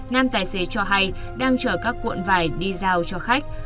nam tài xế cho hay đang chở các cuộn vải đi giao cho khách